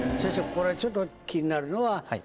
これちょっと気になるのは。